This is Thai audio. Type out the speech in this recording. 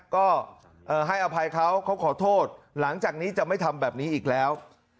ก็ให้อภัยเขาเขาขอโทษหลังจากนี้จะไม่ทำแบบนี้อีกแล้ว